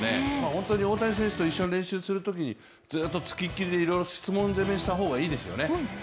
本当に大谷選手と一緒に練習するときずっと付きっきりでいろいろ質問攻めした方がいいですよね。